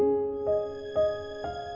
aku akan menjaga dia